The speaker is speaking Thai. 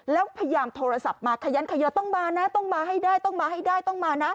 แล้วพยายามโทรศัพท์มาขยันขยอต้องมานะต้องมาให้ได้ต้องมาให้ได้ต้องมานะ